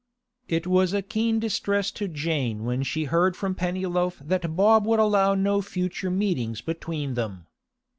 It was a keen distress to Jane when she heard from Pennyloaf that Bob would allow no future meetings between them.